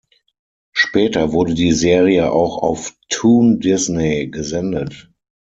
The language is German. Später wurde die Serie auch auf Toon Disney gesendet.